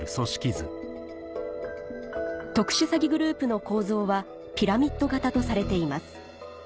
特殊詐欺グループの構造はピラミッド型とされています